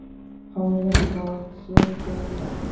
However, this also came to nothing.